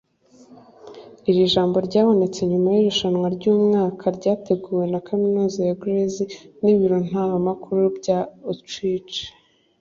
Iri jambo ryabonetse nyuma y'irushanwa ry'umwaka ryateguwe na kaminuza ya Graz n'ibiro ntaramakuru bya Autriche